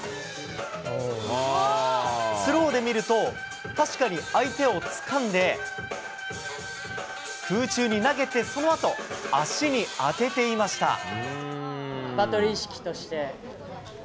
スローで見ると確かに相手をつかんで空中に投げてそのあと、足に当てていました。